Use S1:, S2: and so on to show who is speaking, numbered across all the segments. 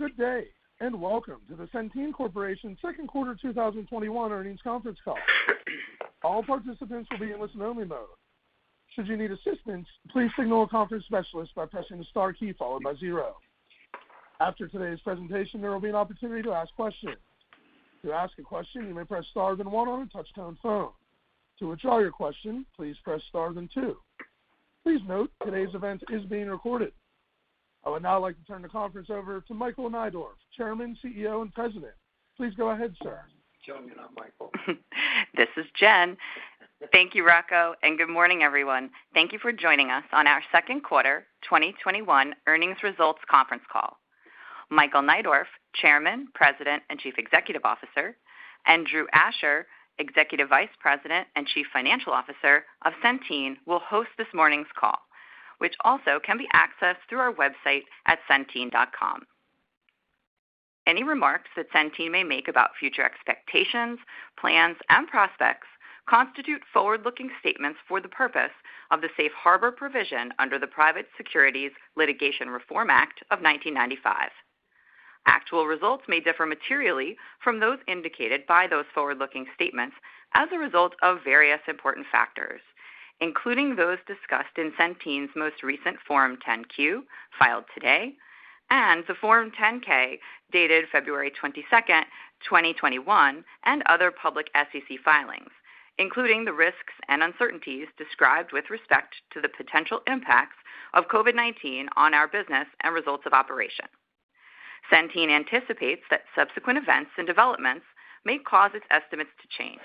S1: Good day, and welcome to the Centene Corporation second quarter 2021 earnings conference call. I would now like to turn the conference over to Michael Neidorff, Chairman, CEO, and President. Please go ahead, sir.
S2: Jen, I'm Michael.
S3: This is Jen. Thank you, Rocco. Good morning, everyone. Thank you for joining us on our second quarter 2021 earnings results conference call. Michael Neidorff, Chairman, President, and Chief Executive Officer, and Drew Asher, Executive Vice President and Chief Financial Officer of Centene, will host this morning's call, which also can be accessed through our website at centene.com. Any remarks that Centene may make about future expectations, plans, and prospects constitute forward-looking statements for the purpose of the safe harbor provision under the Private Securities Litigation Reform Act of 1995. Actual results may differ materially from those indicated by those forward-looking statements as a result of various important factors, including those discussed in Centene's most recent Form 10-Q, filed today, and the Form 10-K, dated February 22, 2021, and other public SEC filings, including the risks and uncertainties described with respect to the potential impacts of COVID-19 on our business and results of operation. Centene anticipates that subsequent events and developments may cause its estimates to change.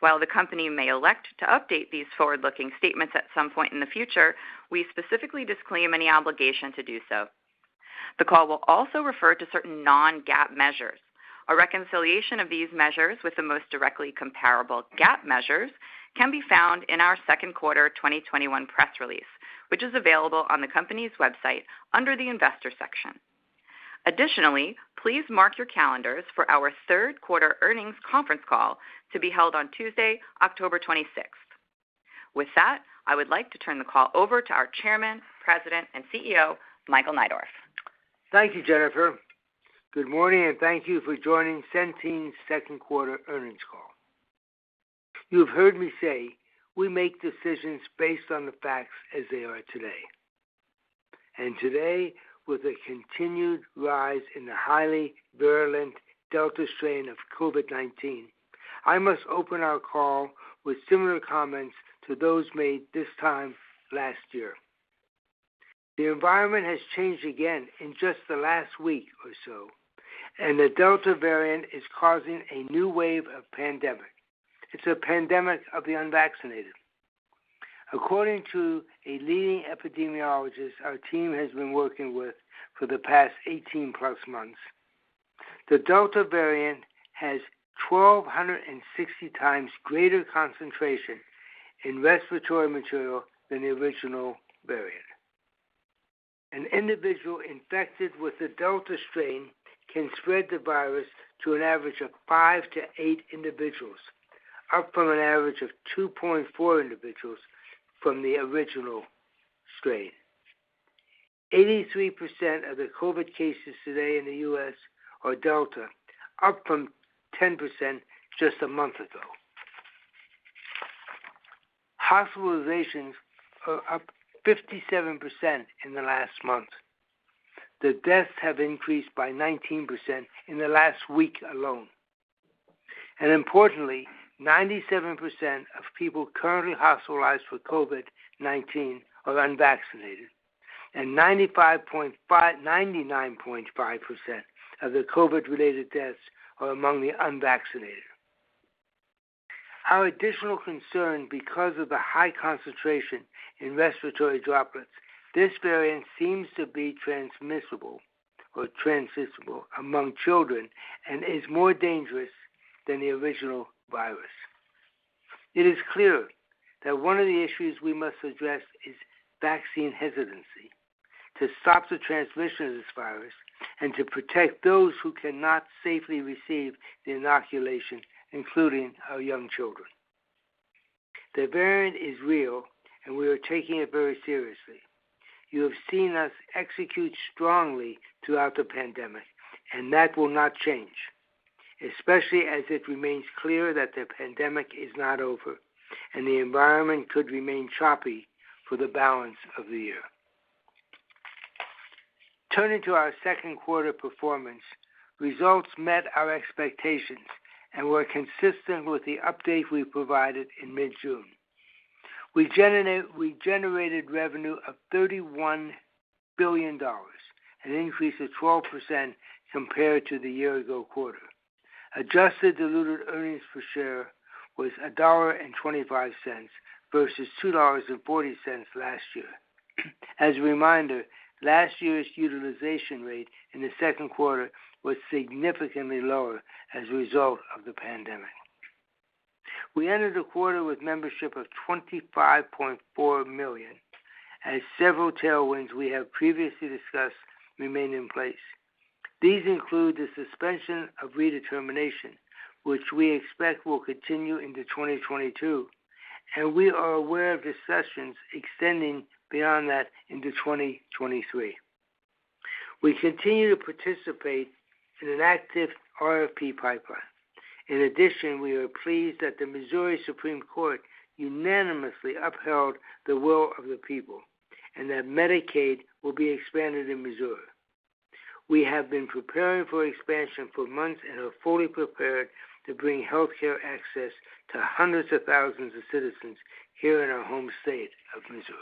S3: While the company may elect to update these forward-looking statements at some point in the future, we specifically disclaim any obligation to do so. The call will also refer to certain non-GAAP measures. A reconciliation of these measures with the most directly comparable GAAP measures can be found in our second quarter 2021 press release, which is available on the company's website under the investor section. Additionally, please mark your calendars for our third quarter earnings conference call to be held on Tuesday, October 26th. With that, I would like to turn the call over to our Chairman, President, and CEO, Michael Neidorff.
S2: Thank you, Jennifer. Good morning, thank you for joining Centene's second quarter earnings call. You have heard me say we make decisions based on the facts as they are today, and today, with a continued rise in the highly virulent Delta variant of COVID-19, I must open our call with similar comments to those made this time last year. The environment has changed again in just the last week or so, and the Delta variant is causing a new wave of pandemic. It's a pandemic of the unvaccinated. According to a leading epidemiologist our team has been working with for the past 18+ months, the Delta variant has 1,260 times greater concentration in respiratory material than the original variant. An individual infected with the Delta variant can spread the virus to an average of five to eight individuals, up from an average of 2.4 individuals from the original strain. 83% of the COVID-19 cases today in the U.S. are Delta, up from 10% just a month ago. Hospitalizations are up 57% in the last month. The deaths have increased by 19% in the last week alone. Importantly, 97% of people currently hospitalized for COVID-19 are unvaccinated, and 99.5% of the COVID-19 related deaths are among the unvaccinated. Our additional concern, because of the high concentration in respiratory droplets, this variant seems to be transmissible among children and is more dangerous than the original virus. It is clear that one of the issues we must address is vaccine hesitancy to stop the transmission of this virus and to protect those who cannot safely receive the inoculation, including our young children. The variant is real, and we are taking it very seriously. You have seen us execute strongly throughout the pandemic, and that will not change, especially as it remains clear that the pandemic is not over and the environment could remain choppy for the balance of the year. Turning to our second quarter performance, results met our expectations and were consistent with the update we provided in mid-June. We generated revenue of $31 billion, an increase of 12% compared to the year-ago quarter. Adjusted diluted earnings per share was $1.25 versus $2.40 last year. As a reminder, last year's utilization rate in the second quarter was significantly lower as a result of the pandemic. We entered the quarter with membership of 25.4 million, as several tailwinds we have previously discussed remain in place. These include the suspension of redetermination, which we expect will continue into 2022. We are aware of discussions extending beyond that into 2023. We continue to participate in an active RFP pipeline. In addition, we are pleased that the Missouri Supreme Court unanimously upheld the will of the people, that Medicaid will be expanded in Missouri. We have been preparing for expansion for months and are fully prepared to bring healthcare access to hundreds of thousands of citizens here in our home state of Missouri.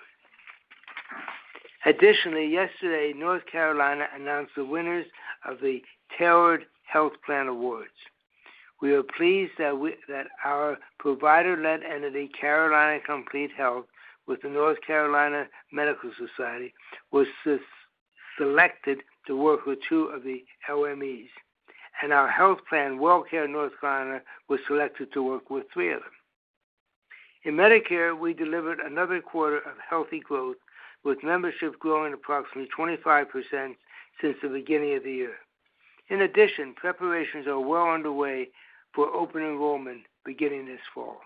S2: Additionally, yesterday, North Carolina announced the winners of the Tailored Health Plan Awards. We are pleased that our provider-led entity, Carolina Complete Health, with the North Carolina Medical Society, was selected to work with two of the LMEs. Our health plan, WellCare of North Carolina, was selected to work with three of them. In Medicare, we delivered another quarter of healthy growth with membership growing approximately 25% since the beginning of the year. In addition, preparations are well underway for open enrollment beginning this fall.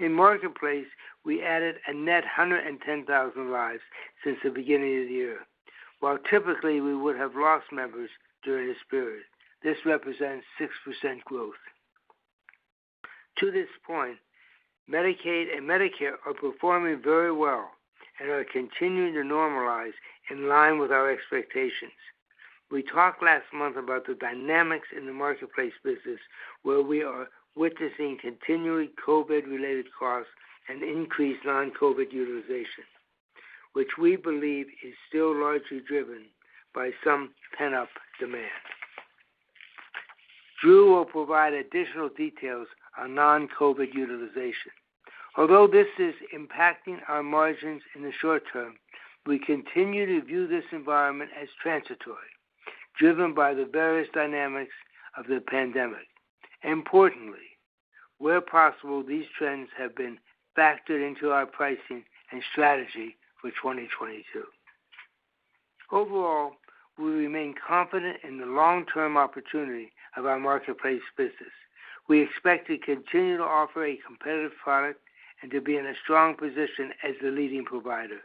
S2: In Marketplace, we added a net 110,000 lives since the beginning of the year, while typically we would have lost members during this period. This represents 6% growth. To this point, Medicaid and Medicare are performing very well and are continuing to normalize in line with our expectations. We talked last month about the dynamics in the Marketplace business, where we are witnessing continuing COVID-related costs and increased non-COVID utilization, which we believe is still largely driven by some pent-up demand. Drew will provide additional details on non-COVID utilization. Although this is impacting our margins in the short term, we continue to view this environment as transitory, driven by the various dynamics of the pandemic. Importantly, where possible, these trends have been factored into our pricing and strategy for 2022. Overall, we remain confident in the long-term opportunity of our Marketplace business. We expect to continue to offer a competitive product and to be in a strong position as the leading provider.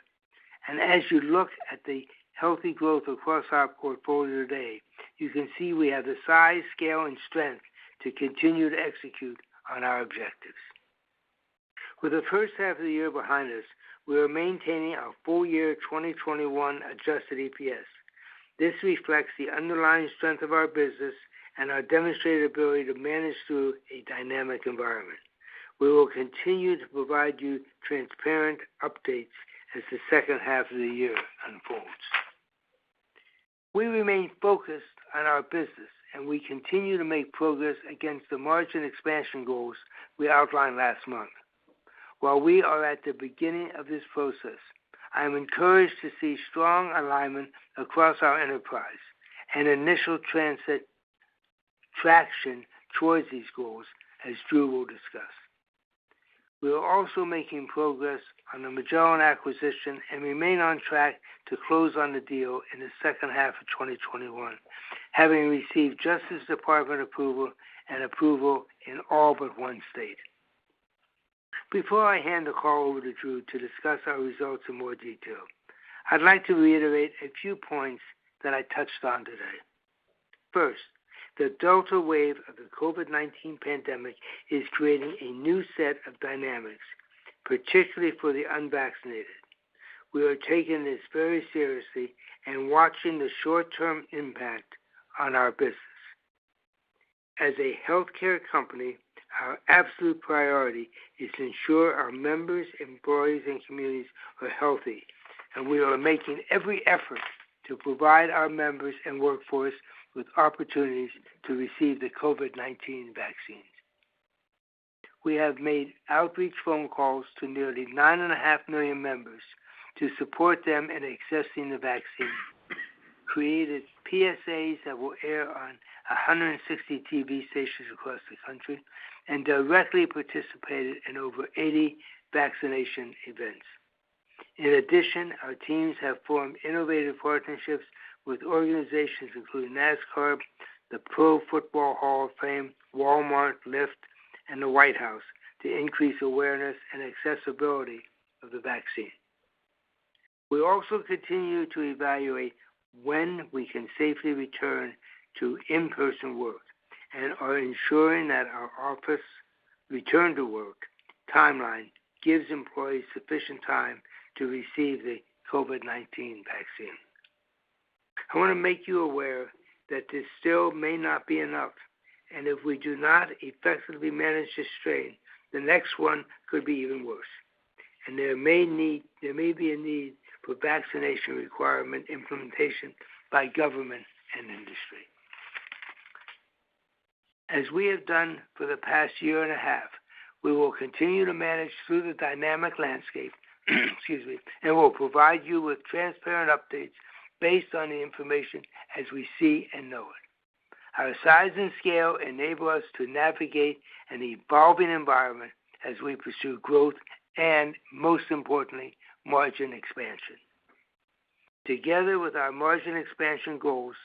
S2: As you look at the healthy growth across our portfolio today, you can see we have the size, scale, and strength to continue to execute on our objectives. With the first half of the year behind us, we are maintaining our full year 2021 adjusted EPS. This reflects the underlying strength of our business and our demonstrated ability to manage through a dynamic environment. We will continue to provide you transparent updates as the second half of the year unfolds. We remain focused on our business, and we continue to make progress against the margin expansion goals we outlined last month. While we are at the beginning of this process, I am encouraged to see strong alignment across our enterprise and initial traction towards these goals, as Drew will discuss. We are also making progress on the Magellan acquisition and remain on track to close on the deal in the second half of 2021, having received Justice Department approval and approval in all but one state. Before I hand the call over to Drew to discuss our results in more detail, I'd like to reiterate a few points that I touched on today. First, the Delta wave of the COVID-19 pandemic is creating a new set of dynamics, particularly for the unvaccinated. We are taking this very seriously and watching the short-term impact on our business. As a healthcare company, our absolute priority is to ensure our members, employees, and communities are healthy, and we are making every effort to provide our members and workforce with opportunities to receive the COVID-19 vaccines. We have made outreach phone calls to nearly 9.5 million members to support them in accessing the vaccine, created PSAs that will air on 160 TV stations across the country, and directly participated in over 80 vaccination events. In addition, our teams have formed innovative partnerships with organizations including NASCAR, the Pro Football Hall of Fame, Walmart, Lyft, and the White House to increase awareness and accessibility of the vaccine. We also continue to evaluate when we can safely return to in-person work and are ensuring that our office return-to-work timeline gives employees sufficient time to receive the COVID-19 vaccine. I want to make you aware that this still may not be enough, and if we do not effectively manage this strain, the next one could be even worse, and there may be a need for vaccination requirement implementation by government and industry. As we have done for the past year and a half, we will continue to manage through the dynamic landscape, excuse me, and we'll provide you with transparent updates based on the information as we see and know it. Our size and scale enable us to navigate an evolving environment as we pursue growth, and most importantly, margin expansion. Together with our margin expansion goals,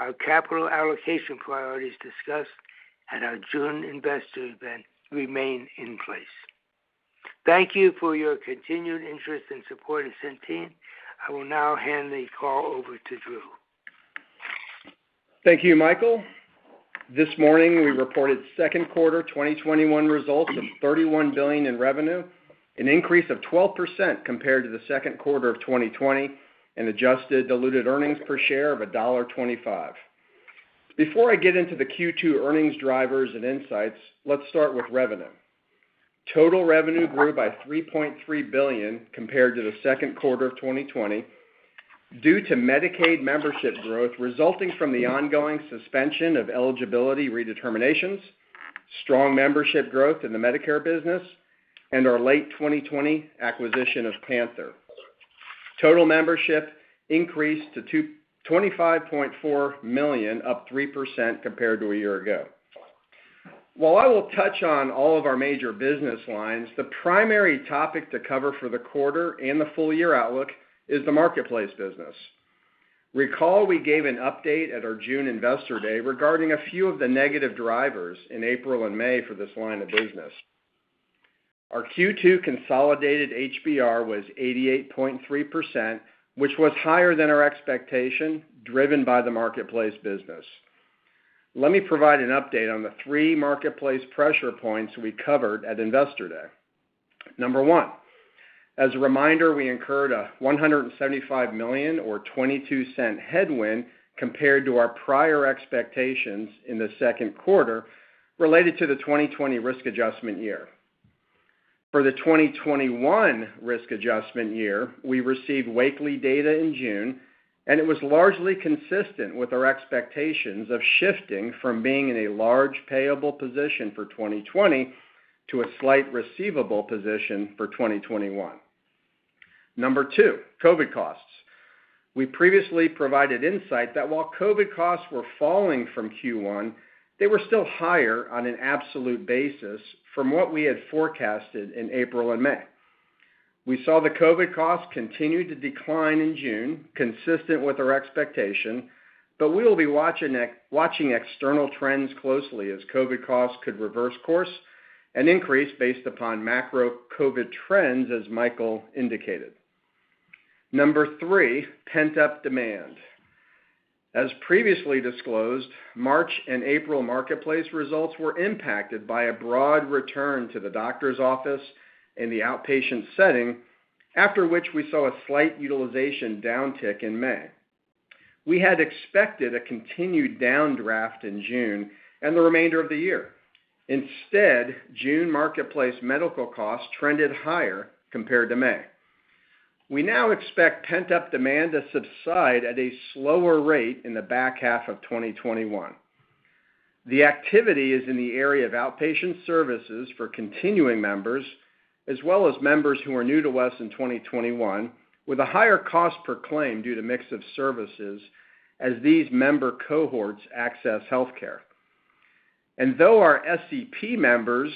S2: our capital allocation priorities discussed at our June investor event remain in place. Thank you for your continued interest and support of Centene. I will now hand the call over to Drew.
S4: Thank you, Michael. This morning, we reported second quarter 2021 results of $31 billion in revenue, an increase of 12% compared to the second quarter of 2020, and adjusted diluted earnings per share of $1.25. Before I get into the Q2 earnings drivers and insights, let's start with revenue. Total revenue grew by $3.3 billion compared to the second quarter of 2020 due to Medicaid membership growth resulting from the ongoing suspension of eligibility redeterminations, strong membership growth in the Medicare business, and our late 2020 acquisition of PANTHERx. Total membership increased to 25.4 million, up 3% compared to a year ago. While I will touch on all of our major business lines, the primary topic to cover for the quarter and the full year outlook is the Marketplace business. Recall we gave an update at our June Investor Day regarding a few of the negative drivers in April and May for this line of business. Our Q2 consolidated HBR was 88.3%, which was higher than our expectation, driven by the Marketplace business. Let me provide an update on the three Marketplace pressure points we covered at Investor Day. Number one, as a reminder, we incurred a $175 million or $0.22 headwind compared to our prior expectations in the second quarter related to the 2020 risk adjustment year. For the 2021 risk adjustment year, we received Wakely data in June, and it was largely consistent with our expectations of shifting from being in a large payable position for 2020 to a slight receivable position for 2021. Number two, COVID costs. We previously provided insight that while COVID costs were falling from Q1, they were still higher on an absolute basis from what we had forecasted in April and May. We saw the COVID costs continue to decline in June, consistent with our expectation, but we will be watching external trends closely as COVID costs could reverse course and increase based upon macro COVID trends, as Michael indicated. Number three, pent-up demand. As previously disclosed, March and April Marketplace results were impacted by a broad return to the doctor's office in the outpatient setting, after which we saw a slight utilization downtick in May. We had expected a continued downdraft in June and the remainder of the year. Instead, June Marketplace medical costs trended higher compared to May. We now expect pent-up demand to subside at a slower rate in the back half of 2021. The activity is in the area of outpatient services for continuing members, as well as members who are new to us in 2021, with a higher cost per claim due to mix of services as these member cohorts access healthcare. Though our SEP members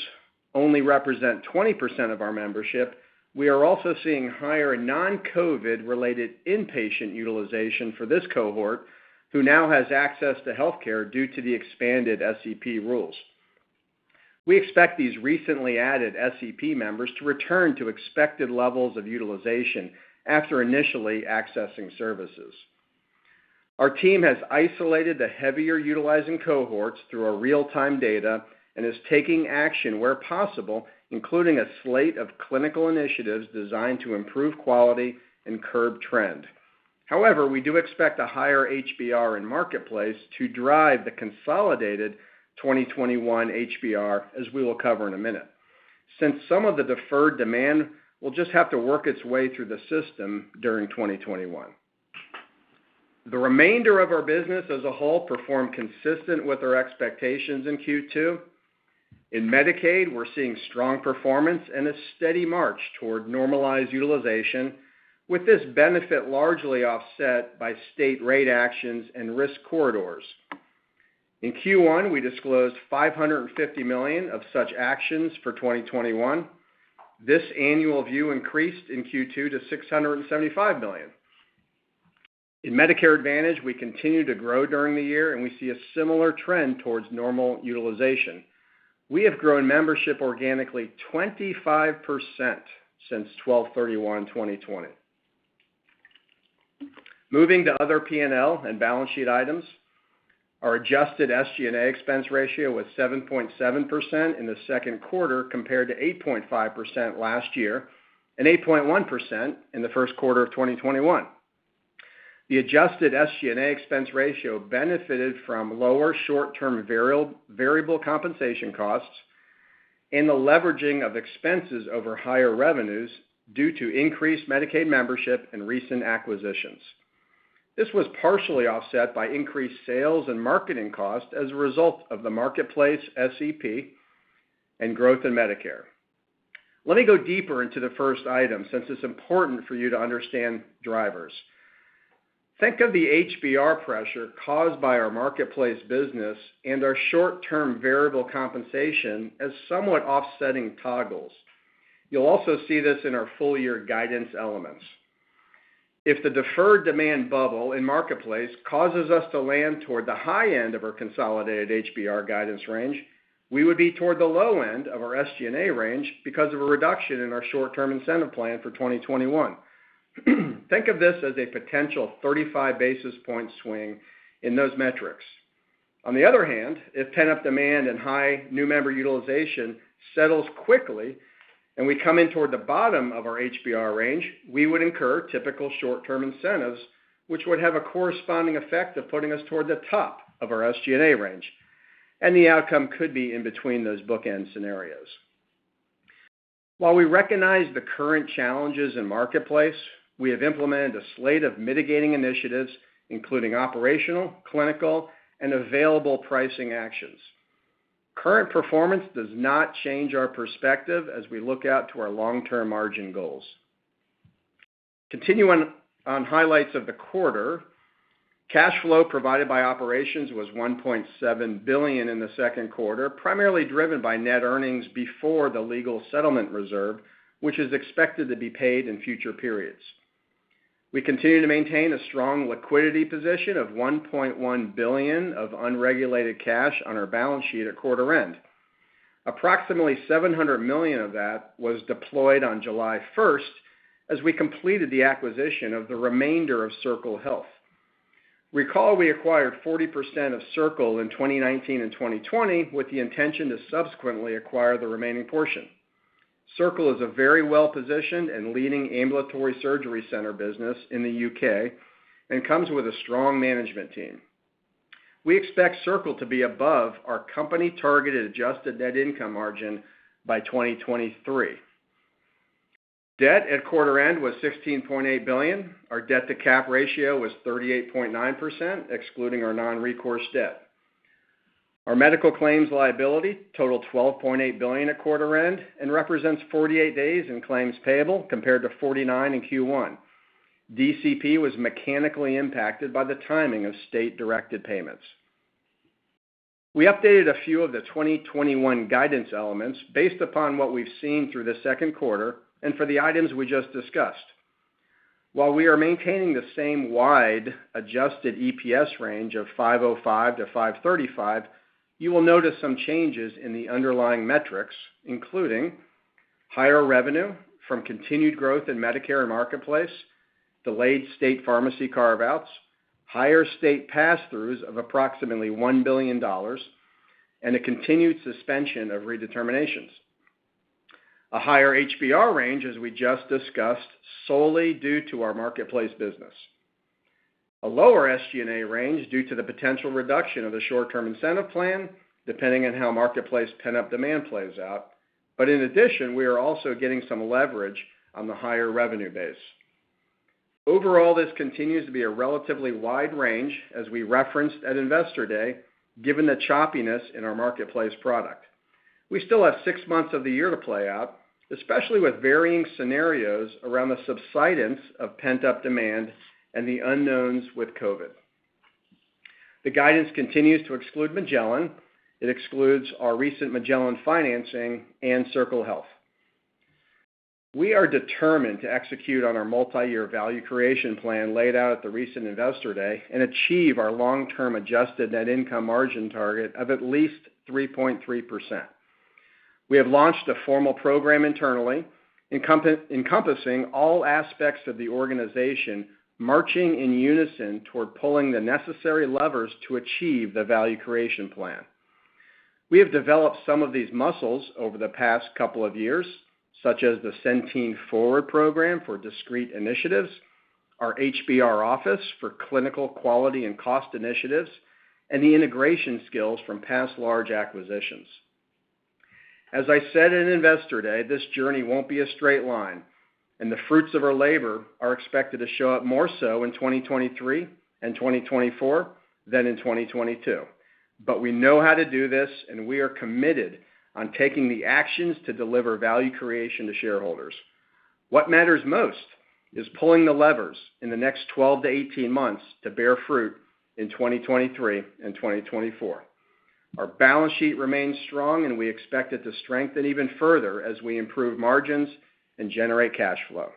S4: only represent 20% of our membership, we are also seeing higher non-COVID-19 related inpatient utilization for this cohort, who now has access to healthcare due to the expanded SEP rules. We expect these recently added SEP members to return to expected levels of utilization after initially accessing services. Our team has isolated the heavier utilizing cohorts through our real-time data and is taking action where possible, including a slate of clinical initiatives designed to improve quality and curb trend. However, we do expect a higher HBR in Marketplace to drive the consolidated 2021 HBR, as we will cover in a minute. Since some of the deferred demand will just have to work its way through the system during 2021. The remainder of our business as a whole performed consistent with our expectations in Q2. In Medicaid, we're seeing strong performance and a steady march toward normalized utilization, with this benefit largely offset by state rate actions and risk corridors. In Q1, we disclosed $550 million of such actions for 2021. This annual view increased in Q2 to $675 million. In Medicare Advantage, we continue to grow during the year, and we see a similar trend towards normal utilization. We have grown membership organically 25% since 12/31/2020. Moving to other P&L and balance sheet items, our adjusted SG&A expense ratio was 7.7% in the second quarter, compared to 8.5% last year and 8.1% in the first quarter of 2021. The adjusted SG&A expense ratio benefited from lower short-term variable compensation costs and the leveraging of expenses over higher revenues due to increased Medicaid membership and recent acquisitions. This was partially offset by increased sales and marketing costs as a result of the Marketplace SEP and growth in Medicare. Let me go deeper into the first item, since it's important for you to understand drivers. Think of the HBR pressure caused by our Marketplace business and our short-term variable compensation as somewhat offsetting toggles. You'll also see this in our full year guidance elements. If the deferred demand bubble in Marketplace causes us to land toward the high end of our consolidated HBR guidance range, we would be toward the low end of our SG&A range because of a reduction in our short-term incentive plan for 2021. Think of this as a potential 35 basis point swing in those metrics. On the other hand, if pent-up demand and high new member utilization settles quickly and we come in toward the bottom of our HBR range, we would incur typical short-term incentives, which would have a corresponding effect of putting us toward the top of our SG&A range, and the outcome could be in between those bookend scenarios. While we recognize the current challenges in Marketplace, we have implemented a slate of mitigating initiatives, including operational, clinical, and available pricing actions. Current performance does not change our perspective as we look out to our long-term margin goals. Continuing on highlights of the quarter, cash flow provided by operations was $1.7 billion in the second quarter, primarily driven by net earnings before the legal settlement reserve, which is expected to be paid in future periods. We continue to maintain a strong liquidity position of $1.1 billion of unregulated cash on our balance sheet at quarter end. Approximately $700 million of that was deployed on July 1st as we completed the acquisition of the remainder of Circle Health. Recall we acquired 40% of Circle in 2019 and 2020 with the intention to subsequently acquire the remaining portion. Circle is a very well-positioned and leading ambulatory surgery center business in the U.K. and comes with a strong management team. We expect Circle to be above our company targeted adjusted net income margin by 2023. Debt at quarter end was $16.8 billion. Our debt to cap ratio was 38.9%, excluding our non-recourse debt. Our medical claims liability totaled $12.8 billion at quarter end and represents 48 days in claims payable compared to 49 in Q1. DCP was mechanically impacted by the timing of state-directed payments. We updated a few of the 2021 guidance elements based upon what we've seen through the second quarter and for the items we just discussed. We are maintaining the same wide adjusted EPS range of $5.05-$5.35, you will notice some changes in the underlying metrics, including higher revenue from continued growth in Medicare and Marketplace, delayed state pharmacy carve-outs, higher state pass-throughs of approximately $1 billion, and a continued suspension of redeterminations. A higher HBR range, as we just discussed, solely due to our Marketplace business. A lower SG&A range due to the potential reduction of the short-term incentive plan, depending on how Marketplace pent-up demand plays out. In addition, we are also getting some leverage on the higher revenue base. This continues to be a relatively wide range as we referenced at Investor Day, given the choppiness in our Marketplace product. We still have six months of the year to play out, especially with varying scenarios around the subsidence of pent-up demand and the unknowns with COVID. The guidance continues to exclude Magellan. It excludes our recent Magellan financing and Circle Health. We are determined to execute on our multi-year value creation plan laid out at the recent Investor Day and achieve our long-term adjusted net income margin target of at least 3.3%. We have launched a formal program internally encompassing all aspects of the organization, marching in unison toward pulling the necessary levers to achieve the value creation plan. We have developed some of these muscles over the past couple of years, such as the Centene Forward program for discrete initiatives, our HBR office for clinical quality and cost initiatives, and the integration skills from past large acquisitions. As I said at Investor Day, this journey won't be a straight line, and the fruits of our labor are expected to show up more so in 2023 and 2024 than in 2022. We know how to do this, and we are committed on taking the actions to deliver value creation to shareholders. What matters most is pulling the levers in the next 12 to 18 months to bear fruit in 2023 and 2024. Our balance sheet remains strong, and we expect it to strengthen even further as we improve margins and generate cash flow.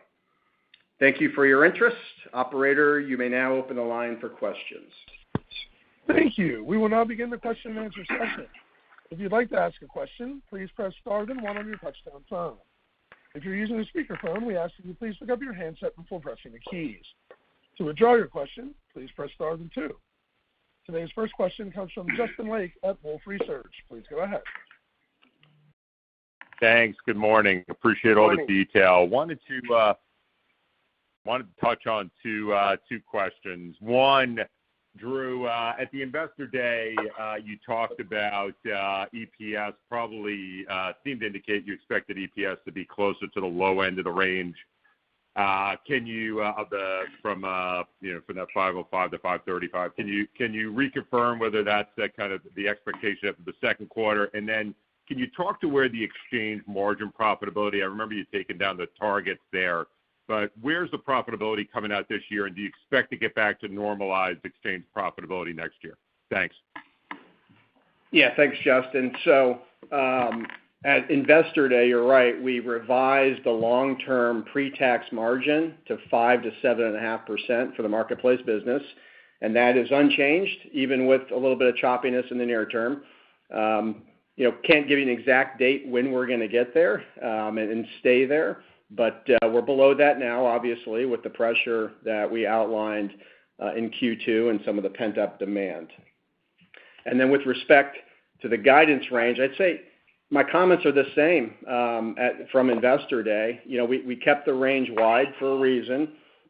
S4: Thank you for your interest. Operator, you may now open the line for questions.
S1: Thank you. We will now begin the question and answer session. If you'd like to ask a question, please press star then one on your touchtone phone. If you're using a speakerphone, we ask that you please pick up your handset before pressing the keys. To withdraw your question, please press star then two. Today's first question comes from Justin Lake at Wolfe Research. Please go ahead.
S5: Thanks. Good morning. Appreciate all the detail.
S4: Morning.
S5: Wanted to touch on two questions. One, Drew, at the Investor Day, you talked about EPS probably seemed to indicate you expected EPS to be closer to the low end of the range from that $5.05-$5.35. Can you reconfirm whether that's kind of the expectation of the second quarter? Can you talk to where the exchange margin profitability, I remember you taking down the targets there, but where's the profitability coming out this year? Do you expect to get back to normalized exchange profitability next year? Thanks.
S4: Yeah. Thanks, Justin. At Investor Day, you're right, we revised the long-term pre-tax margin to 5%-7.5% for the marketplace business, and that is unchanged, even with a little bit of choppiness in the near term. Can't give you an exact date when we're going to get there, and stay there. We're below that now, obviously, with the pressure that we outlined in Q2 and some of the pent-up demand. With respect to the guidance range, I'd say my comments are the same from Investor Day. We kept the range wide for a reason,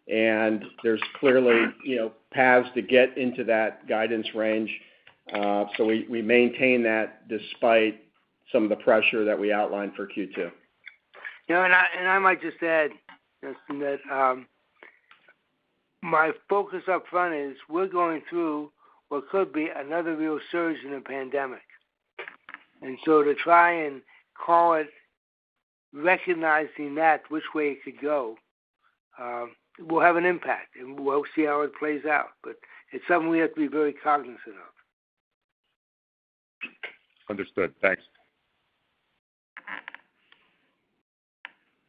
S4: and there's clearly paths to get into that guidance range. We maintain that despite some of the pressure that we outlined for Q2.
S2: I might just add, Justin, that my focus up front is we're going through what could be another real surge in the pandemic. To try and call it recognizing that which way it could go, will have an impact, and we'll see how it plays out. It's something we have to be very cognizant of.
S5: Understood. Thanks.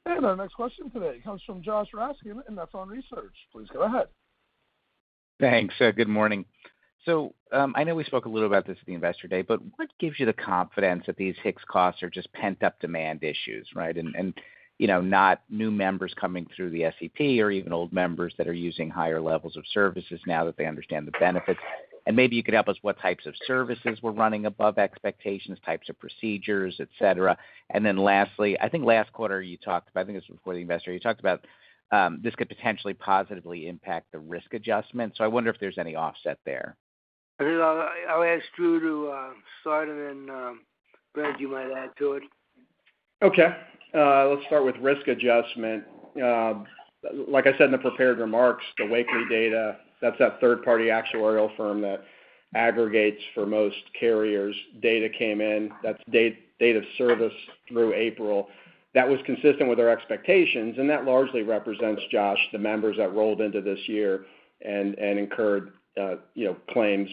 S1: Our next question today comes from Joshua Raskin at Nephron Research. Please go ahead.
S6: Thanks. Good morning. I know we spoke a little about this at the Investor Day, but what gives you the confidence that these HIX costs are just pent-up demand issues, right? Not new members coming through the SEP or even old members that are using higher levels of services now that they understand the benefits. Maybe you could help us what types of services were running above expectations, types of procedures, et cetera. Lastly, I think last quarter you talked about this could potentially positively impact the risk adjustment. I wonder if there's any offset there.
S2: I'll ask Drew to start and then, Brent, you might add to it.
S4: Okay. Let's start with risk adjustment. Like I said in the prepared remarks, the third-party actuarial firm that aggregates for most carriers, Wakely data came in. That's date of service through April. That was consistent with our expectations, and that largely represents, Josh, the members that rolled into this year and incurred claims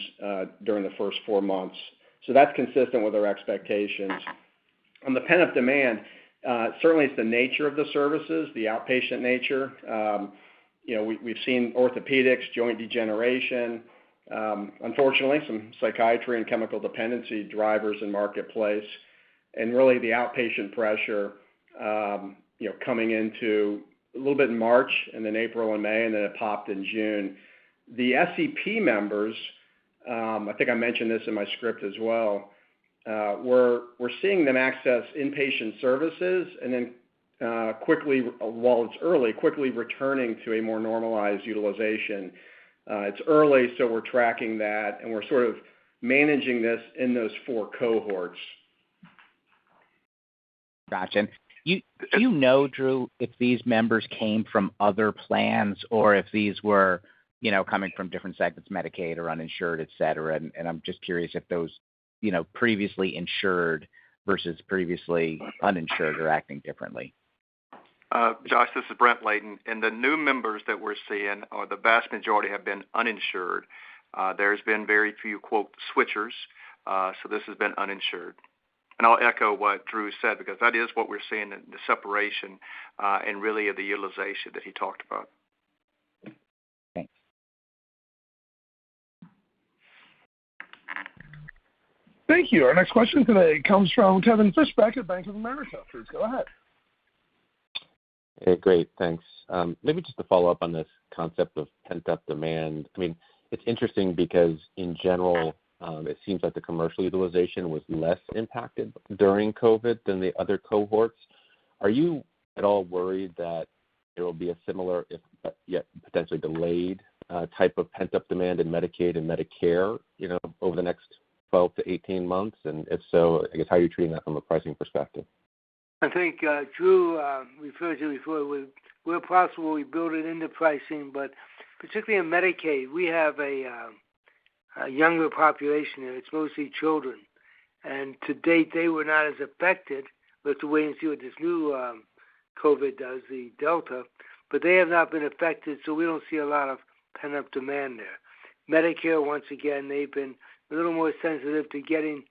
S4: during the first four months. That's consistent with our expectations. On the pent-up demand, certainly it's the nature of the services, the outpatient nature. We've seen orthopedics, joint degeneration, unfortunately, some psychiatry and chemical dependency drivers in Marketplace, and really the outpatient pressure coming into a little bit in March and then April and May, and then it popped in June. The SEP members, I think I mentioned this in my script as well, we're seeing them access inpatient services, and then while it's early, quickly returning to a more normalized utilization. It's early, so we're tracking that, and we're sort of managing this in those four cohorts.
S6: Got you. Do you know, Drew, if these members came from other plans or if these were coming from different segments, Medicaid or uninsured, et cetera? I'm just curious if those previously insured versus previously uninsured are acting differently.
S7: Joshua, this is Brent Layton. The new members that we're seeing, or the vast majority, have been uninsured. There's been very few quote, switchers. This has been uninsured. I'll echo what Drew said, because that is what we're seeing in the separation, and really of the utilization that he talked about.
S6: Thanks.
S1: Thank you. Our next question today comes from Kevin Fischbeck at Bank of America. Please go ahead.
S8: Hey, great. Thanks. Maybe just to follow up on this concept of pent-up demand. It's interesting because in general, it seems like the commercial utilization was less impacted during COVID than the other cohorts. Are you at all worried that there will be a similar, if yet potentially delayed, type of pent-up demand in Medicaid and Medicare over the next 12 to 18 months? If so, I guess how are you treating that from a pricing perspective?
S2: I think Drew referred to it before where possible, we build it into pricing, but particularly in Medicaid, we have a younger population there. It's mostly children. To date, they were not as affected. We have to wait and see what this new COVID does, the Delta, but they have not been affected, so we don't see a lot of pent-up demand there. Medicare, once again, they've been a little more sensitive to getting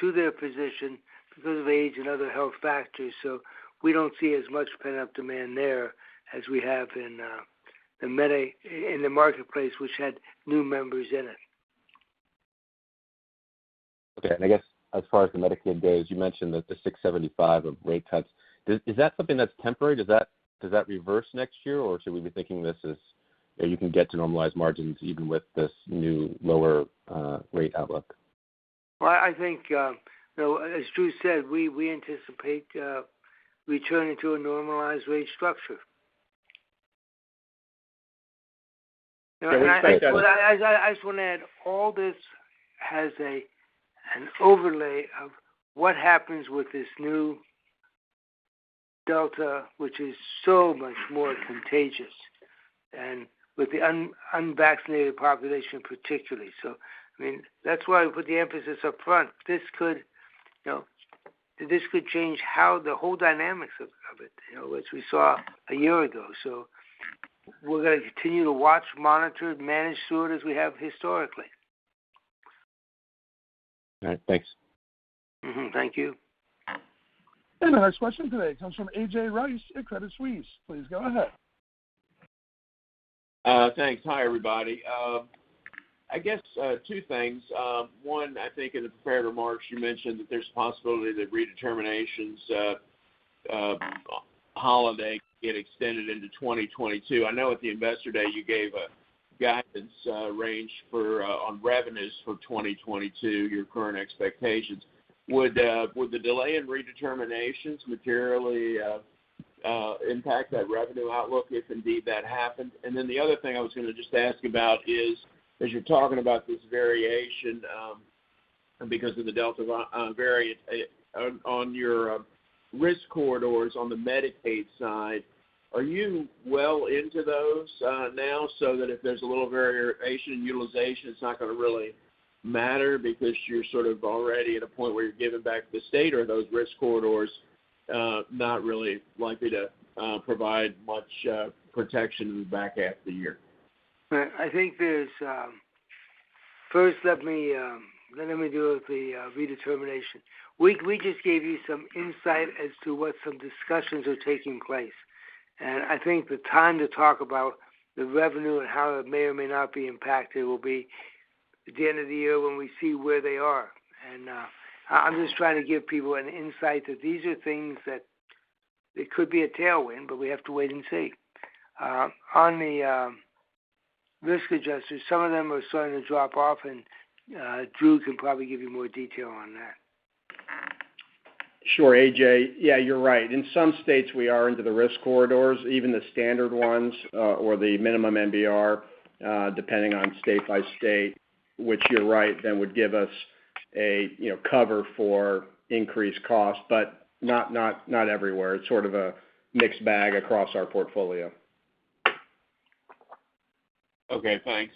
S2: to their physician because of age and other health factors. We don't see as much pent-up demand there as we have in the marketplace, which had new members in it.
S8: Okay. I guess as far as the Medicaid goes, you mentioned that the $675 of rate cuts, is that something that's temporary? Does that reverse next year? Should we be thinking this as you can get to normalized margins even with this new, lower rate outlook?
S2: Well, I think as Drew Asher said, we anticipate returning to a normalized rate structure. I just want to add, all this has an overlay of what happens with this new Delta variant, which is so much more contagious, and with the unvaccinated population particularly. That's why we put the emphasis up front. This could change the whole dynamics of it, as we saw a year ago. We're going to continue to watch, monitor, manage through it as we have historically.
S8: All right. Thanks.
S2: Mm-hmm. Thank you.
S1: Our next question today comes from A.J. Rice at Credit Suisse. Please go ahead.
S9: Thanks. Hi, everybody. I guess, two things. One, I think in the prepared remarks, you mentioned that there's a possibility that redeterminations holiday could get extended into 2022. I know at the Investor Day, you gave a guidance range on revenues for 2022, your current expectations. Would the delay in redeterminations materially impact that revenue outlook, if indeed that happens? The other thing I was going to just ask about is, as you're talking about this variation because of the Delta variant on your risk corridors on the Medicaid side, are you well into those now, so that if there's a little variation in utilization, it's not going to really matter because you're sort of already at a point where you're giving back to the state? Or are those risk corridors not really likely to provide much protection back half of the year?
S2: First, let me do the redetermination. We just gave you some insight as to what some discussions are taking place. I think the time to talk about the revenue and how it may or may not be impacted will be at the end of the year when we see where they are. I'm just trying to give people an insight that these are things that it could be a tailwind, but we have to wait and see. On the risk adjusters, some of them are starting to drop off. Drew can probably give you more detail on that.
S4: Sure, A.J. Yeah, you're right. In some states, we are into the risk corridors, even the standard ones or the minimum MBR, depending on state by state, which you're right, would give us a cover for increased cost. Not everywhere. It's sort of a mixed bag across our portfolio.
S9: Okay, thanks.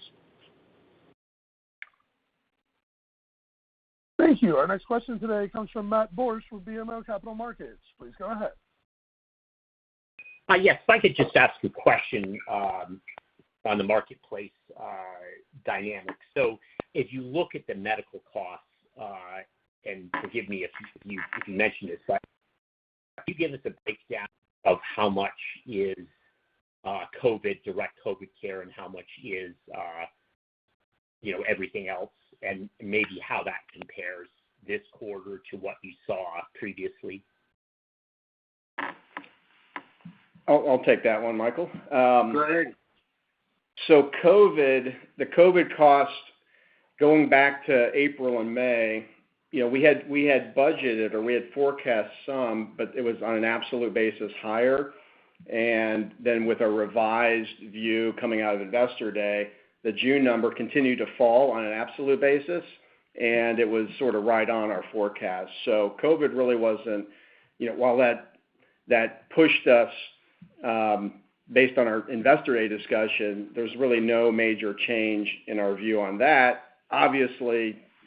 S1: Thank you. Our next question today comes from Matt Borsch with BMO Capital Markets. Please go ahead.
S10: Yes. If I could just ask a question on the marketplace dynamics. If you look at the medical costs, and forgive me if you mentioned this, but can you give us a breakdown of how much is direct COVID care and how much is everything else, and maybe how that compares this quarter to what you saw previously?
S4: I'll take that one, Michael.
S2: Go ahead.
S4: The COVID cost, going back to April and May, we had budgeted, or we had forecast some, but it was on an absolute basis higher. With a revised view coming out of Investor Day, the June number continued to fall on an absolute basis, and it was sort of right on our forecast. COVID really wasn't. While that pushed us based on our Investor Day discussion, there's really no major change in our view on that.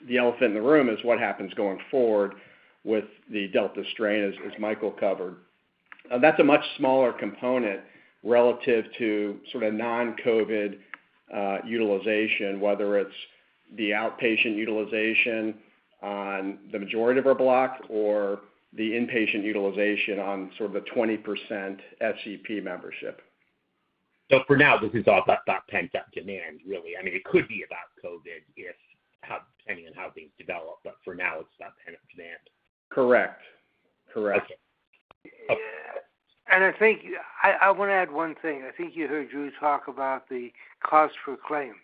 S4: The elephant in the room is what happens going forward with the Delta strain, as Michael covered. That's a much smaller component relative to sort of non-COVID utilization, whether it's the outpatient utilization on the majority of our block or the inpatient utilization on sort of the 20% SEP membership.
S10: For now, this is all about pent-up demand, really. It could be about COVID, depending on how things develop. For now, it's about pent-up demand.
S4: Correct.
S10: Okay.
S2: I want to add one thing. I think you heard Drew talk about the cost per claim.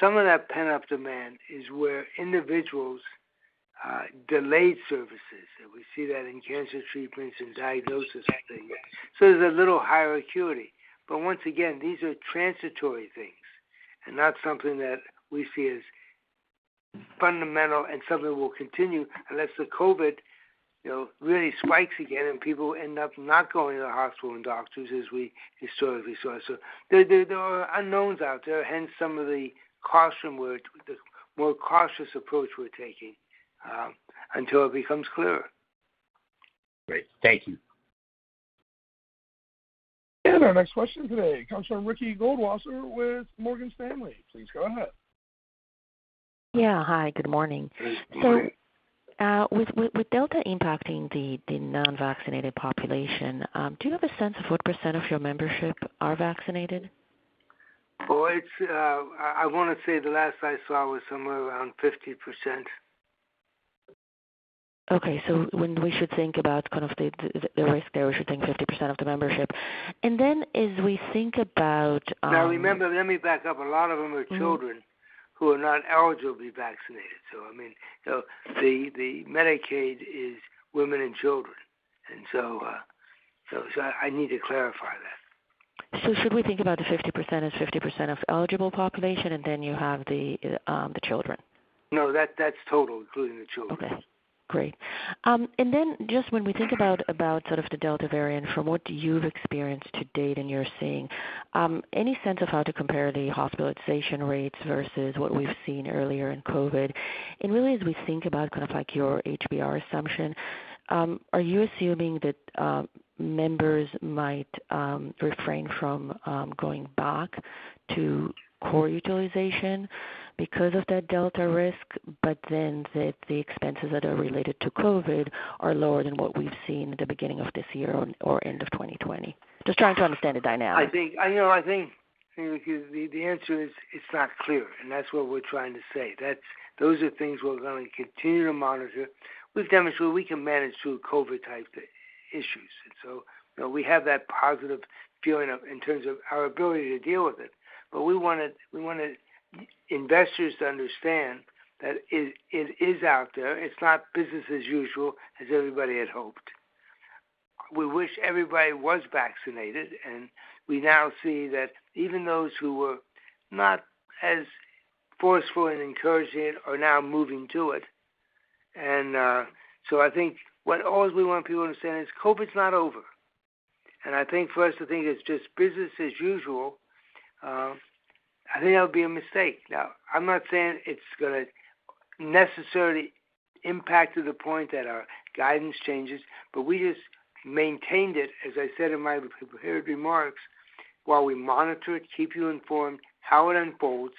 S2: Some of that pent-up demand is where individuals delayed services, and we see that in cancer treatments and diagnoses. There's a little higher acuity. Once again, these are transitory things and not something that we see as fundamental and something will continue unless the COVID really spikes again, and people end up not going to the hospital and doctors as we historically saw. There are unknowns out there, hence some of the more cautious approach we're taking until it becomes clearer.
S10: Great. Thank you.
S1: Our next question today comes from Ricky Goldwasser with Morgan Stanley. Please go ahead.
S11: Yeah. Hi, good morning.
S2: Hey, Ricky.
S11: With Delta impacting the non-vaccinated population, do you have a sense of what percent of your membership are vaccinated?
S2: I want to say the last I saw was somewhere around 50%.
S11: Okay. When we should think about kind of the risk there, we should think 50% of the membership. Then as we think about.
S2: Remember, let me back up. A lot of them are children who are not eligible to be vaccinated. The Medicaid is women and children. I need to clarify that.
S11: Should we think about the 50% as 50% of eligible population, and then you have the children?
S2: No, that's total, including the children.
S11: Okay, great. Then just when we think about the Delta variant from what you've experienced to date and you're seeing, any sense of how to compare the hospitalization rates versus what we've seen earlier in COVID? Really, as we think about your HBR assumption, are you assuming that members might refrain from going back to core utilization because of that Delta risk, but then that the expenses that are related to COVID are lower than what we've seen at the beginning of this year or end of 2020? Just trying to understand the dynamic.
S2: I think the answer is, it's not clear, and that's what we're trying to say. Those are things we're going to continue to monitor. We've demonstrated we can manage through COVID-type issues, and so we have that positive feeling in terms of our ability to deal with it. We wanted investors to understand that it is out there. It's not business as usual as everybody had hoped. We wish everybody was vaccinated, and we now see that even those who were not as forceful in encouraging it are now moving to it. I think what all we want people to understand is COVID's not over. I think for us to think it's just business as usual, I think that would be a mistake. I'm not saying it's going to necessarily impact to the point that our guidance changes, but we just maintained it, as I said in my prepared remarks, while we monitor it, keep you informed how it unfolds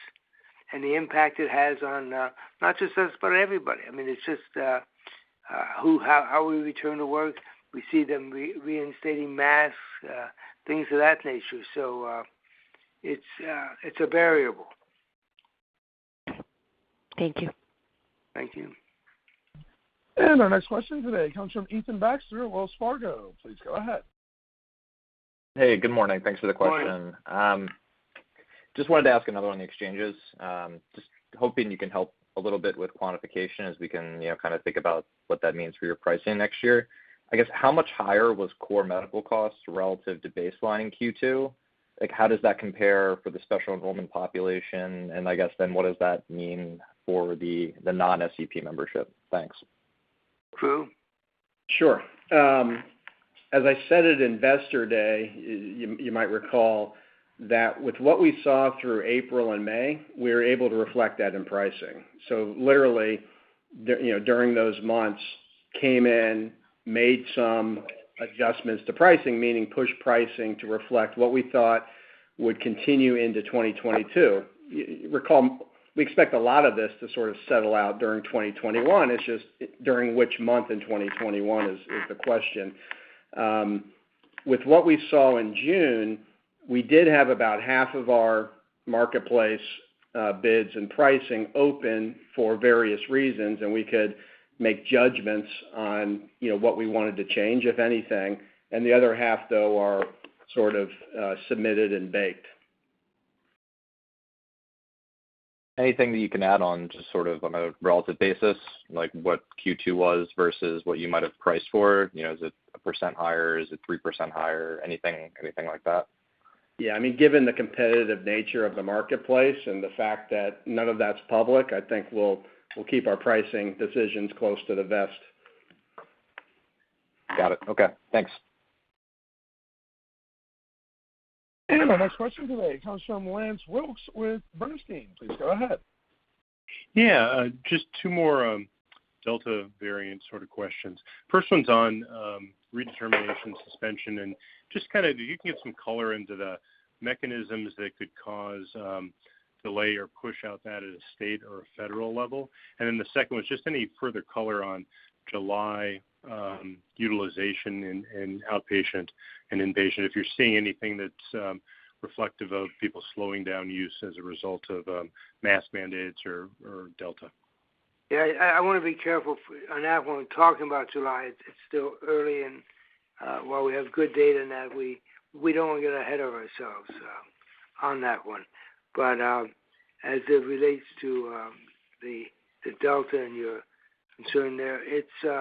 S2: and the impact it has on not just us, but everybody. It's just how we return to work. We see them reinstating masks, things of that nature. It's a variable.
S11: Thank you.
S2: Thank you.
S1: Our next question today comes from Stephen Baxter at Wells Fargo. Please go ahead.
S12: Hey, good morning. Thanks for the question.
S2: Good morning.
S12: Just wanted to ask another on the exchanges. Just hoping you can help a little bit with quantification as we can think about what that means for your pricing next year. I guess, how much higher was core medical costs relative to baseline Q2? How does that compare for the special enrollment population, I guess then what does that mean for the non-SEP membership? Thanks.
S2: Drew?
S4: Sure. As I said at Investor Day, you might recall that with what we saw through April and May, we were able to reflect that in pricing. Literally, during those months, came in, made some adjustments to pricing, meaning pushed pricing to reflect what we thought would continue into 2022. Recall, we expect a lot of this to sort of settle out during 2021. It's just during which month in 2021 is the question. With what we saw in June, we did have about half of our marketplace bids and pricing open for various reasons, and we could make judgments on what we wanted to change, if anything. The other half, though, are sort of submitted and baked.
S12: Anything that you can add on, just sort of on a relative basis, like what Q2 was versus what you might have priced for? Is it 1% higher? Is it 3% higher? Anything like that?
S4: Given the competitive nature of the marketplace and the fact that none of that's public, I think we'll keep our pricing decisions close to the vest.
S12: Got it. Okay. Thanks,
S1: Our next question today comes from Lance Wilkes with Bernstein. Please go ahead.
S13: Yeah. Just two more Delta variant sort of questions. First one's on redetermination suspension, and just kind of if you can give some color into the mechanisms that could cause delay or push out that at a state or a federal level. The second one, just any further color on July utilization in outpatient and inpatient, if you're seeing anything that's reflective of people slowing down use as a result of mask mandates or Delta.
S2: Yeah, I want to be careful on that one. Talking about July, it's still early, and while we have good data in that, we don't want to get ahead of ourselves on that one. As it relates to the Delta and your concern there, it's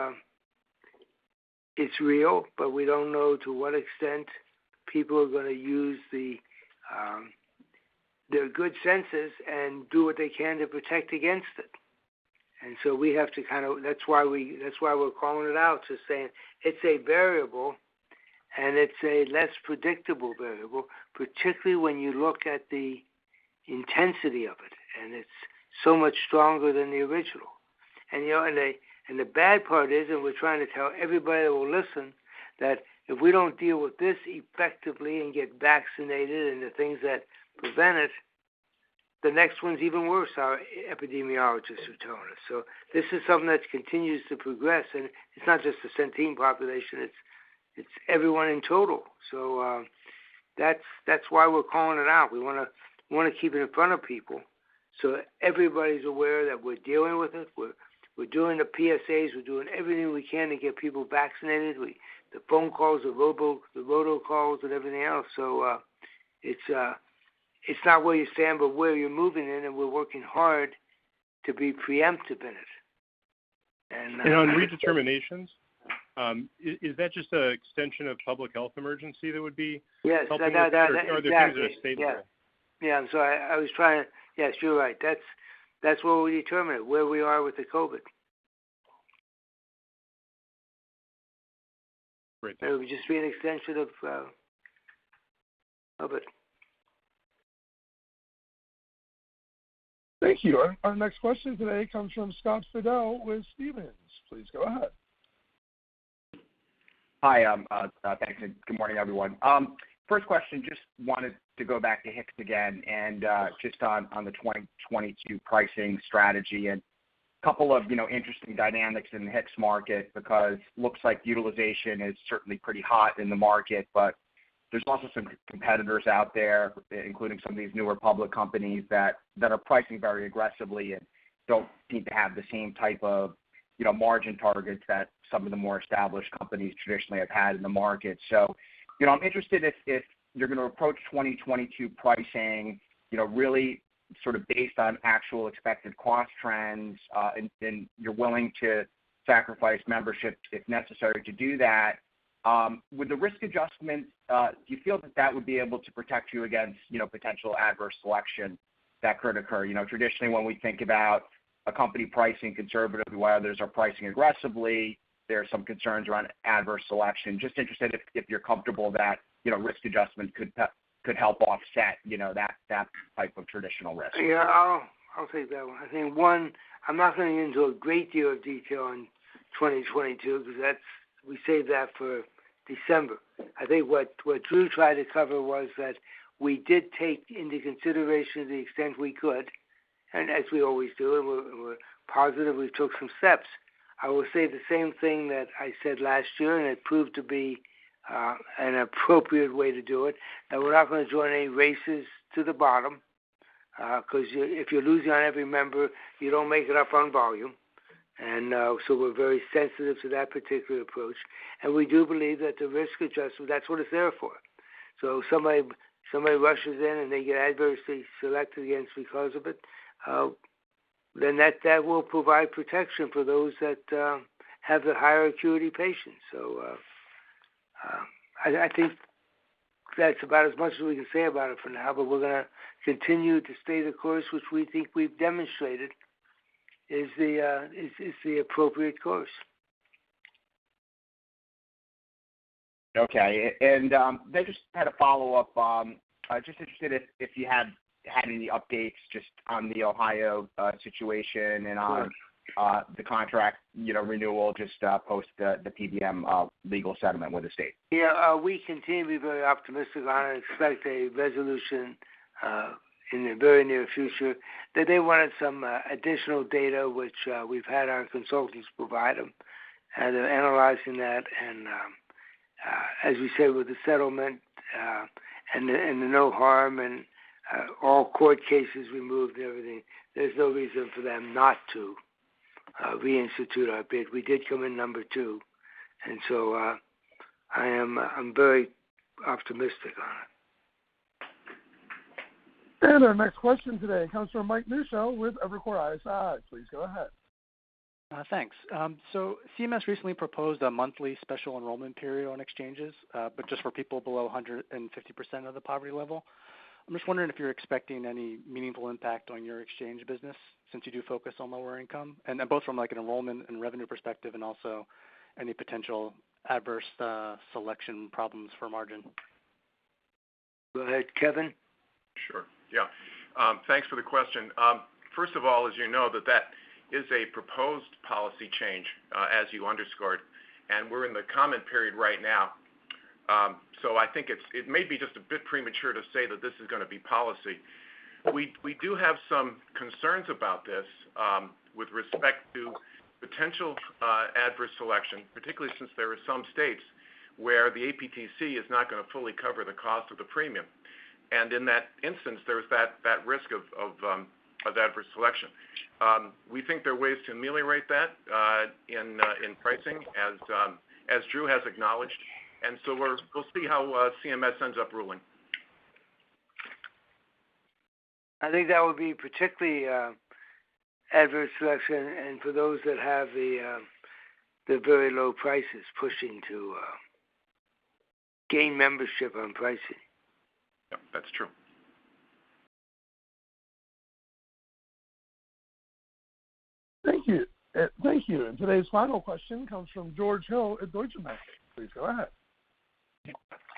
S2: real, but we don't know to what extent people are going to use their good senses and do what they can to protect against it. That's why we're calling it out, just saying it's a variable, and it's a less predictable variable, particularly when you look at the intensity of it, and it's so much stronger than the original. The bad part is, and we're trying to tell everybody that will listen, that if we don't deal with this effectively and get vaccinated and the things that prevent it, the next one's even worse, our epidemiologists are telling us. This is something that continues to progress, and it's not just the Centene population, it's everyone in total. That's why we're calling it out. We want to keep it in front of people so that everybody's aware that we're dealing with it. We're doing the PSAs. We're doing everything we can to get people vaccinated, the phone calls, the robo calls, and everything else. It's not where you stand, but where you're moving, and we're working hard to be preemptive in it.
S13: On redeterminations, is that just an extension of public health emergency?
S2: Yes.
S13: Helping us? Or are there things that are stable?
S2: Exactly. Yes. Yes, you're right. That's what we determine, where we are with the COVID.
S13: Great.
S2: It would just be an extension of it.
S1: Thank you. Our next question today comes from Scott Fidel with Stephens. Please go ahead.
S14: Hi. Thanks, and good morning, everyone. First question, just wanted to go back to HIX again and just on the 2022 pricing strategy and a couple of interesting dynamics in the HIX market, because looks like utilization is certainly pretty hot in the market, but there's also some competitors out there, including some of these newer public companies that are pricing very aggressively and don't seem to have the same type of margin targets that some of the more established companies traditionally have had in the market. I'm interested if you're going to approach 2022 pricing, really sort of based on actual expected cost trends, and you're willing to sacrifice membership if necessary to do that. With the risk adjustment, do you feel that that would be able to protect you against potential adverse selection that could occur? Traditionally, when we think about a company pricing conservatively while others are pricing aggressively, there are some concerns around adverse selection. Just interested if you're comfortable that risk adjustment could help offset that type of traditional risk?
S2: Yeah. I'll take that one. I think, one, I'm not going into a great deal of detail on 2022 because we save that for December. I think what Drew tried to cover was that we did take into consideration the extent we could, and as we always do, and we positively took some steps. I will say the same thing that I said last year, and it proved to be an appropriate way to do it, and we're not going to join any races to the bottom, because if you're losing on every member, you don't make it up on volume. We're very sensitive to that particular approach, and we do believe that the risk adjustment, that's what it's there for. Somebody rushes in, and they get adversely selected against because of it, then that will provide protection for those that have the higher acuity patients. I think that's about as much as we can say about it for now, but we're going to continue to stay the course which we think we've demonstrated is the appropriate course.
S14: Okay. Then just had a follow-up. Just interested if you had any updates just on the Ohio situation.
S2: Sure
S14: The contract renewal, just post the PBM legal settlement with the state.
S2: Yeah. We continue to be very optimistic. I expect a resolution in the very near future. They wanted some additional data, which we've had our consultants provide them. They're analyzing that, and as we said, with the settlement, and the no harm and all court cases removed and everything, there's no reason for them not to reinstitute our bid. We did come in number two. I'm very optimistic on it.
S1: Our next question today comes from Michael Newshel with Evercore ISI. Please go ahead.
S15: Thanks. CMS recently proposed a monthly special enrollment period on exchanges, just for people below 150% of the poverty level. I'm just wondering if you're expecting any meaningful impact on your exchange business since you do focus on lower income, and both from an enrollment and revenue perspective and also any potential adverse selection problems for margin.
S2: Go ahead, Kevin.
S16: Sure. Yeah. Thanks for the question. First of all, as you know, that is a proposed policy change, as you underscored, and we're in the comment period right now. I think it may be just a bit premature to say that this is going to be policy. We do have some concerns about this, with respect to potential adverse selection, particularly since there are some states where the APTC is not going to fully cover the cost of the premium. In that instance, there's that risk of adverse selection. We think there are ways to ameliorate that, in pricing, as Drew has acknowledged. We'll see how CMS ends up ruling.
S2: I think that would be particularly adverse selection and for those that have the very low prices, pushing to gain membership on pricing.
S16: Yep, that's true.
S1: Thank you. Today's final question comes from George Hill at Deutsche Bank. Please go ahead.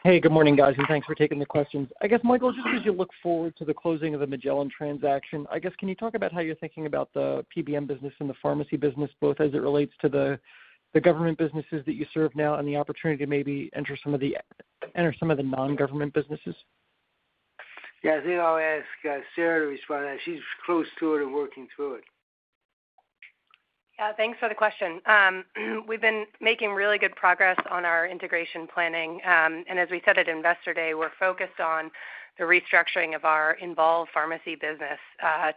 S17: Hey, good morning, guys, and thanks for taking the questions. I guess, Michael, just as you look forward to the closing of the Magellan transaction, I guess, can you talk about how you're thinking about the PBM business and the pharmacy business, both as it relates to the government businesses that you serve now and the opportunity to maybe enter some of the non-government businesses?
S2: Yeah. I think I'll ask Sarah to respond to that. She's close to it and working through it.
S16: Yeah. Thanks for the question. We've been making really good progress on our integration planning. As we said at Investor Day, we're focused on the restructuring of our involved pharmacy business,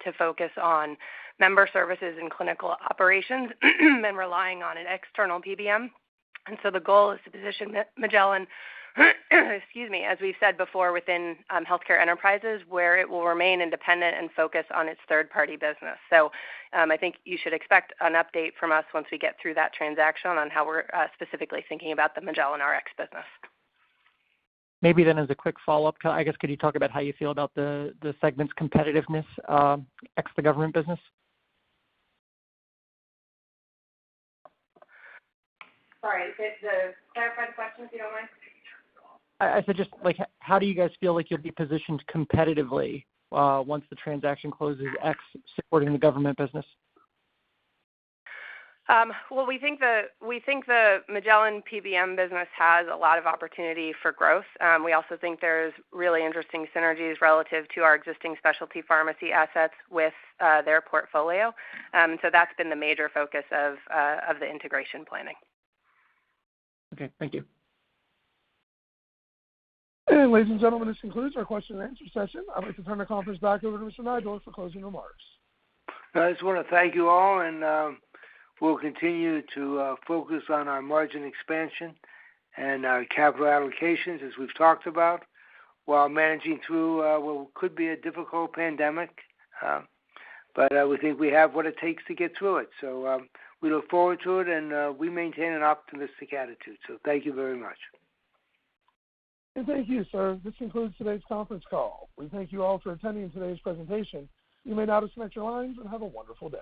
S16: to focus on member services and clinical operations and relying on an external PBM. The goal is to position Magellan, excuse me, as we've said before, within healthcare enterprises, where it will remain independent and focused on its third-party business. I think you should expect an update from us once we get through that transaction on how we're specifically thinking about the Magellan Rx business.
S17: Maybe as a quick follow-up, I guess, could you talk about how you feel about the segment's competitiveness ex the government business?
S16: Sorry. Could you clarify the question, if you don't mind?
S17: I said just how do you guys feel like you'll be positioned competitively once the transaction closes ex supporting the government business?
S16: Well, we think the Magellan PBM business has a lot of opportunity for growth. We also think there's really interesting synergies relative to our existing specialty pharmacy assets with their portfolio. That's been the major focus of the integration planning.
S17: Okay. Thank you.
S1: Ladies and gentlemen, this concludes our question and answer session. I would like to turn the conference back over to Mr. Neidorff for closing remarks.
S2: I just want to thank you all. We'll continue to focus on our margin expansion and our capital allocations, as we've talked about, while managing through what could be a difficult pandemic. We think we have what it takes to get through it. We look forward to it. We maintain an optimistic attitude. Thank you very much.
S1: Thank you, sir. This concludes today's conference call. We thank you all for attending today's presentation. You may now disconnect your lines and have a wonderful day.